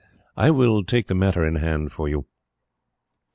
"I will take the matter in hand for you.